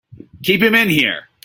Keep him in here!